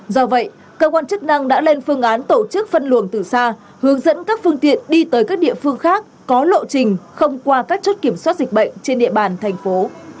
do vậy cơ quan chức năng đã lên phương án tổ chức phân luồng từ xa hướng dẫn các phương tiện đi tới các địa phương khác có lộ trình không qua các chốt kiểm soát dịch bệnh trên địa bàn thành phố